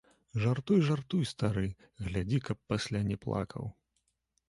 Жартуй, жартуй, стары, глядзі, каб пасля не плакаў.